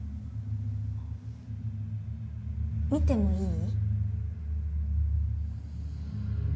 見てもいい？